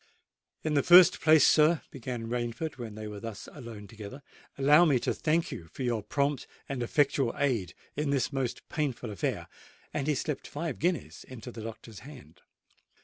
"In the first place, sir," began Rainford when they were thus alone together, "allow me to thank you for your prompt and effectual aid in this most painful affair;"—and he slipped five guineas into the doctor's hand.